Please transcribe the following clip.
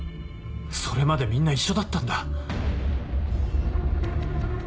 それまでみんな一緒だったんだ。